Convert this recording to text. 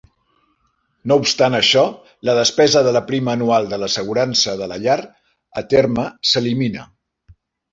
No obstant això, la despesa de la prima anual de l'assegurança de la llar a terme s'elimina.